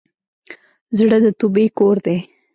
زړه د توبې کور دی.